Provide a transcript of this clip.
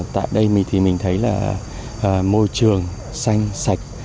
tại đây mình thì mình thấy là môi trường xanh sạch